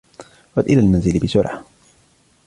عد إلى المنزل بسرعة.